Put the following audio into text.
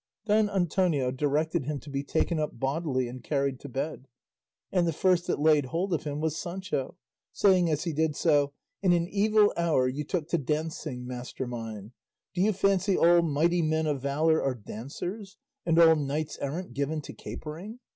Don Antonio directed him to be taken up bodily and carried to bed, and the first that laid hold of him was Sancho, saying as he did so, "In an evil hour you took to dancing, master mine; do you fancy all mighty men of valour are dancers, and all knights errant given to capering?